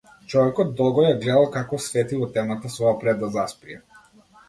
Човекот долго ја гледал како свети во темната соба пред да заспие.